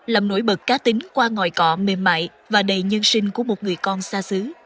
làm nổi bật cá tính qua ngòi cọ mềm mại và đầy nhân sinh của một người con xa xứ